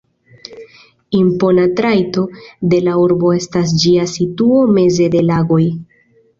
Impona trajto de la urbo estas ĝia situo meze de lagoj.